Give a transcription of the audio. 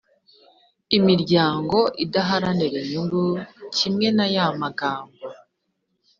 imiryango idaharanira inyungu kimwe n ayamagambo